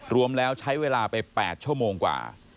รวมแล้วใช้เวลาไป๘ชั่วโมงกว่า